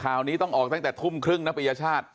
ข่าวนี้ต้องออกตั้งแต่ทุ่มครึ่งนะปริยชาติ